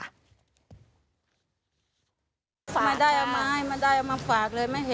ไม่ได้เอามาให้ไม่ได้เอามาฝากเลยไม่เห็น